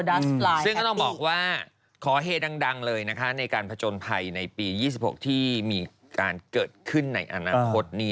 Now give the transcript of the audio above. ซึ่งก็ต้องบอกว่าขอเฮดังเลยนะคะในการผจญภัยในปี๒๖ที่มีการเกิดขึ้นในอนาคตนี้